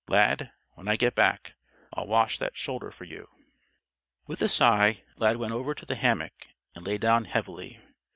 Lad, when I get back, I'll wash that shoulder for you." With a sigh, Lad went over to the hammock and lay down, heavily.